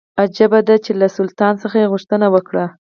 عجیبه دا چې له سلطان څخه یې غوښتنه وکړه.